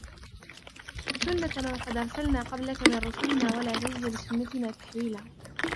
سُنَّةَ مَنْ قَدْ أَرْسَلْنَا قَبْلَكَ مِنْ رُسُلِنَا وَلَا تَجِدُ لِسُنَّتِنَا تَحْوِيلًا